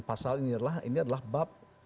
pasal ini adalah ini adalah bab